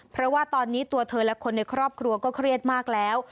เพราะว่าตอนนี้ตัวเธอและคนในครอบครัวก็เครียดมากแล้ว